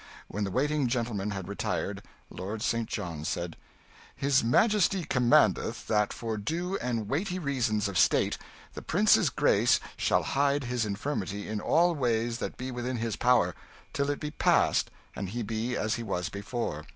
When the waiting gentlemen had retired, Lord St. John said "His majesty commandeth, that for due and weighty reasons of state, the prince's grace shall hide his infirmity in all ways that be within his power, till it be passed and he be as he was before.